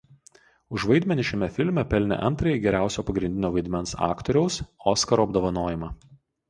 Už vaidmenį šiame filme pelnė antrąjį geriausio pagrindinio vaidmens aktoriaus „Oskaro“ apdovanojimą.